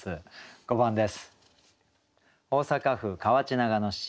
５番です。